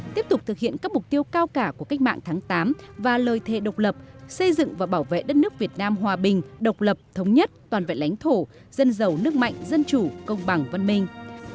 tiếp tục thực hiện các mục tiêu cao cả của cách mạng tháng tám và lời thề độc lập xây dựng và bảo vệ đất nước việt nam hòa bình độc lập thống nhất toàn vẹn lãnh thổ dân giàu nước mạnh dân chủ công bằng văn minh